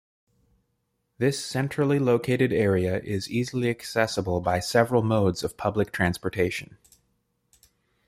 This centrally located area is easily accessible by several modes of public transportation.